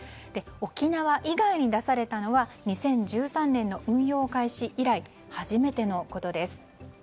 沖縄以外に出されたのは２０１３年の運用開始以来初めてのことです。